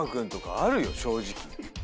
正直。